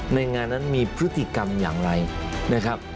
ในงานนั้นมีพฤติกรรมอย่างไรนะครับ